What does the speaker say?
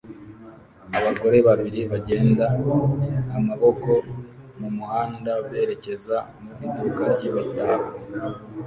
Abagore babiri bagenda amaboko mu muhanda berekeza mu iduka ryimitako